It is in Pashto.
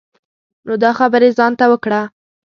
نو دا خبری ځان ته وکړه.